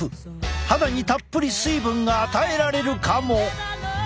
肌にたっぷり水分が与えられるかも！